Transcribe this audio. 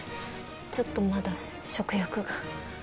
ちょっとまだ食欲が。